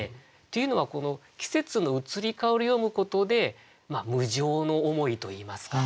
というのはこの季節の移り変わりを詠むことで無常の思いといいますか。